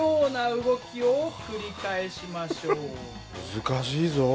難しいぞ。